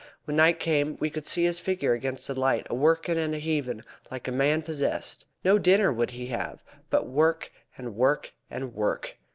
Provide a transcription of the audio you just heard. When night came we could see his figure against the light, a workin' and a heavin' like a man possessed. No dinner would he have, but work, and work, and work.